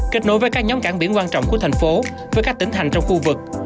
kết nối với các nhóm cảng biển quan trọng của thành phố với các tỉnh thành trong khu vực